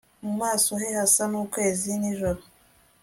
Mu maso he hasa nukwezi nijoro